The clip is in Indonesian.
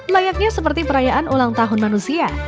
layaknya seperti perayaan ulang tahun manusia